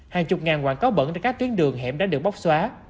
hàng chục ngàn quảng cáo bẩn trên các tuyến đường hẻm đã được bóc xóa